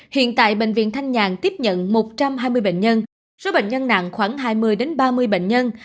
hiện tại bệnh viện thanh nhàn tiếp nhận một trăm hai mươi bệnh nhân số bệnh nhân nặng khoảng hai mươi ba mươi bệnh nhân